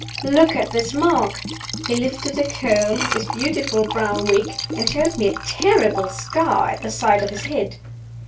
Look at this mark!" He lifted a curl of his beautiful brown wig, and showed me a terrible scar at the side of his head.